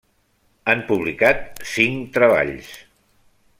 Han publicat cinc treballs.